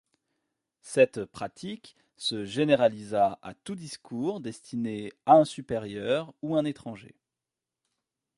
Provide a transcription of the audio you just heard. Cette pratique se généralisa à tout discours destiné à un supérieur ou un étranger.